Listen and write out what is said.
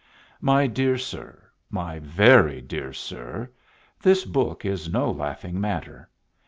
My dear Sir, my very dear Sir, this book is no laughing matter.